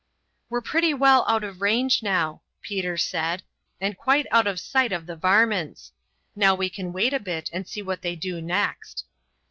"We're pretty well out of range, now," Peter said, "and quite out of sight of the varmints. Now we can wait a bit and see what they do next."